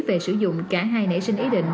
về sử dụng cả hai nể sinh ý định